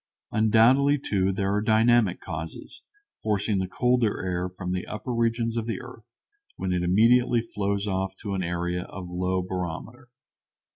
Undoubtedly, too, there are dynamic causes, forcing the colder air from the upper regions to the earth, when it immediately flows off toward an area of low barometer.